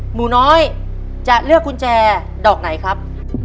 หนูน้อยจะเลือกกุญแจดอกไหนครับ